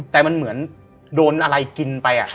แต่มันเหมือนโดนอะไรกินไป